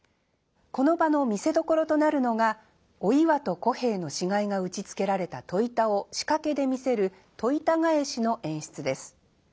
この場の見せどころとなるのがお岩と小平の死骸が打ちつけられた戸板を仕掛けで見せる戸板返しの演出です。